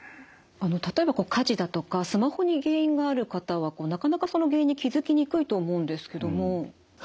例えば家事だとかスマホに原因がある方はなかなかその原因に気付きにくいと思うんですけども。